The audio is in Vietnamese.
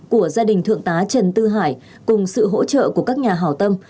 của gia đình thượng tá trần tư hải cùng sự hỗ trợ của các nhà hảo tâm